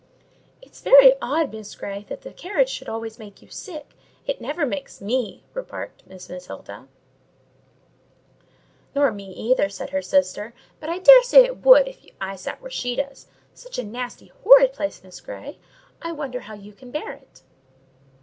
"It's very odd, Miss Grey, that the carriage should always make you sick: it never makes me," remarked Miss Matilda, "Nor me either," said her sister; "but I dare say it would, if I sat where she does—such a nasty, horrid place, Miss Grey; I wonder how you can bear it!"